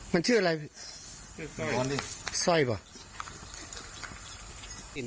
มันชื่ออะไรไส้เปล่า